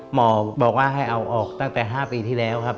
หมอบอกว่าให้เอาออกตั้งแต่๕ปีที่แล้วครับ